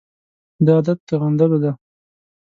دا عادت د غندلو دی.